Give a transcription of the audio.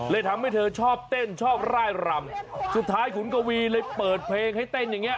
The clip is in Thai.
ทำให้เธอชอบเต้นชอบร่ายรำสุดท้ายขุนกวีเลยเปิดเพลงให้เต้นอย่างเงี้